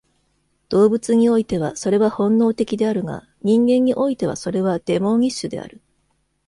動物においてはそれは本能的であるが、人間においてはそれはデモーニッシュである。